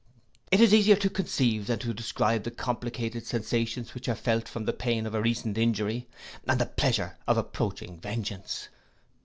It is easier to conceive than describe the complicated sensations which are felt from the pain of a recent injury, and the pleasure of approaching vengeance.